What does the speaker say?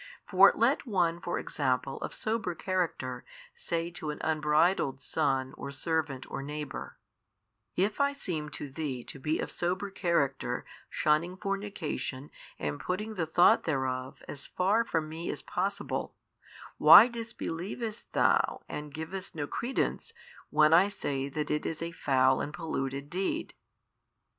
For let one for example of sober character say to an unbridled son or servant or neighbour, If I seem to thee to be of sober character shunning fornication and putting the thought thereof as far from me as possible, why disbelievest thou and givest no credence when I say that it is a foul and polluted deed?